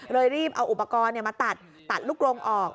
เลยรีบเอาอุปกรณ์มาตัดลูกโรงออก